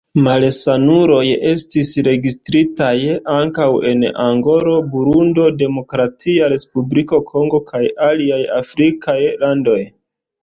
Malsanuloj estis registritaj ankaŭ en Angolo, Burundo, Demokratia Respubliko Kongo kaj aliaj afrikaj landoj.